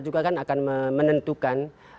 juga kan akan menentukan